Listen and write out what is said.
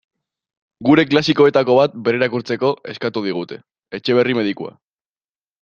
Gure klasikoetako bat berrirakurtzeko eskatu digute: Etxeberri medikua.